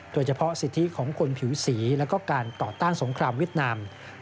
โดยเฉพาะสิทธิของคนผิวสีแล้วก็การต่อต้านสงครามเวียดนาม